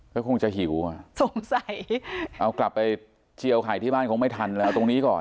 ก็คงจะหิวอ่ะสงสัยเอากลับไปเจียวไข่ที่บ้านคงไม่ทันแล้วตรงนี้ก่อน